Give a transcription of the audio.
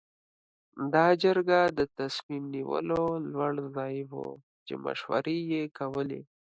دا جرګه د تصمیم نیولو لوړ ځای و چې مشورې یې کولې.